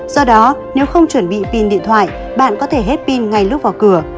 do đó nếu không chuẩn bị pin điện thoại bạn có thể hết pin ngay lúc vào cửa